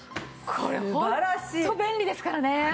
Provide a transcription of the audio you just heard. これホント便利ですからね。